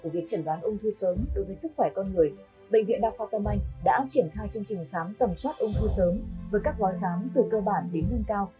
bệnh viện đào khoa tâm anh đã triển khai chương trình khám tầm soát ung thư sớm với các gói khám từ cơ bản đến nâng cao